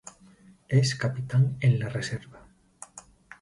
Es capitán en la reserva.